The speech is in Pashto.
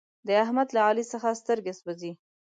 د احمد له علي څخه سترګه سوزي.